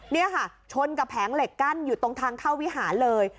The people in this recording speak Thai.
นี่ค่ะชนกับแผงเหล็กกั้นอยู่ตรงทางเข้าวิหารเลย